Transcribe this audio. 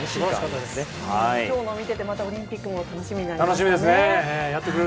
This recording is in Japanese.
今日のを見ててオリンピックも楽しみになりましたね。